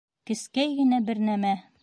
Кескәй генә бер нәмә!